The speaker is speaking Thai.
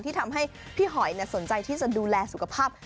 ที่ทำให้พี่หอยสนใจที่จะดูแลสุขภาพ